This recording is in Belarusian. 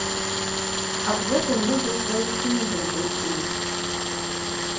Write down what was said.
Аб гэтым людзі ў сваіх кнігах друкуюць.